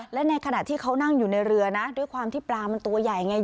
และในขณะที่เขานั่งอยู่ในเรือนะด้วยความที่ปลามันตัวใหญ่ไง